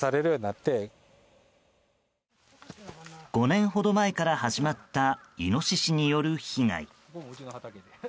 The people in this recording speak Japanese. ５年ほど前から始まったイノシシによる被害。